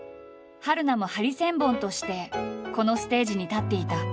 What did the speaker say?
春菜もハリセンボンとしてこのステージに立っていた。